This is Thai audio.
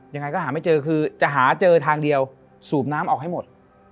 ยังไงก็หาไม่เจอคือจะหาเจอทางเดียวสูบน้ำออกให้หมด